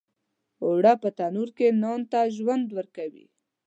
اوړه په تنور کې نان ته ژوند ورکوي